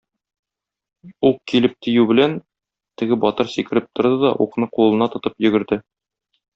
Ук килеп тию белән, теге батыр сикереп торды да укны кулына тотып йөгерде.